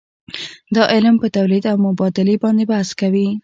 دا علم په تولید او مبادلې باندې بحث کوي.